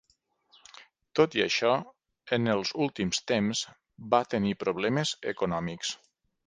Tot i això, en els últims temps va tenir problemes econòmics.